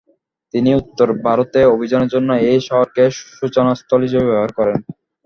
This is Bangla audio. তিনি উত্তর ভারতে অভিযানের জন্য এই শহরকে সূচনাস্থল হিসেবে ব্যবহার করেন।